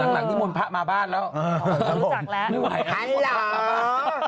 ถั้งที่มนตร์พระมาบ้านแล้ว